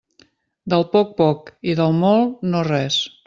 Del poc, poc, i del molt, no res.